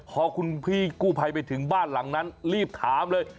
พอคุณพี่กู้ภัยไปถึงบ้านหลังนั้นรีบถามเลย